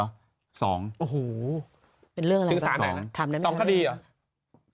อูหูคือเรื่องอะไรทางคดีหรอ